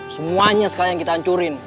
semuanya sekarang yang kita hancurin